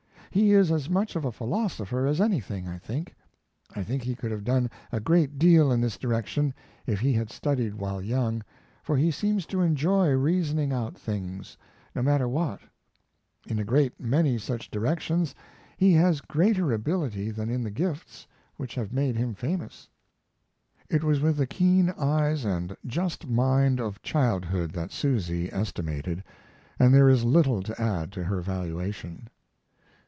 He is as much of a philosopher as anything, I think. I think he could have done a great deal in this direction if he had studied while young, for he seems to enjoy reasoning out things, no matter what; in a great many such directions he has greater ability than in the gifts which have made him famous. It was with the keen eyes and just mind of childhood that Susy estimated, and there is little to add to her valuation.